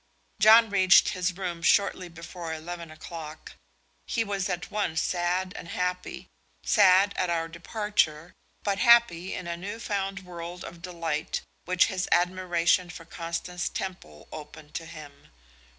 John reached his rooms shortly before eleven o'clock. He was at once sad and happy sad at our departure, but happy in a new found world of delight which his admiration for Constance Temple opened to him.